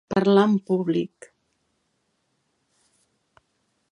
Parlar en públic.